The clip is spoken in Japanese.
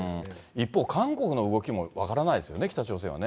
一方、韓国の動きも分からないですよね、北朝鮮はね。